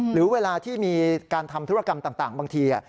หรือเวลาที่มีการทำธุรกรรมต่างบางที